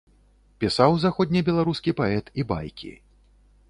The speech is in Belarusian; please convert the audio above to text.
Пісаў заходнебеларускі паэт і байкі.